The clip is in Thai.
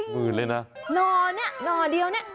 หน่อเนี่ยหน่อเดียวเนี่ย